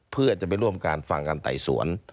เพื่อจะไปร่วมการฟังการไต่สวน